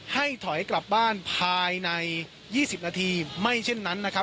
ให้ถอยกลับบ้านภายใน๒๐นาทีไม่เช่นนั้นนะครับ